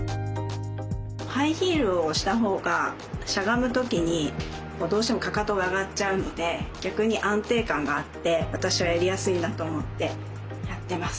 ハイヒールをした方がしゃがむ時にどうしてもかかとが上がっちゃうので逆に安定感があって私はやりやすいなと思ってやってます。